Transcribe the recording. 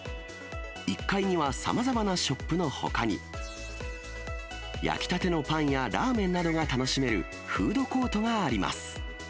１階にはさまざまなショップのほかに、焼きたてのパンや、ラーメンなどが楽しめるフードコートがあります。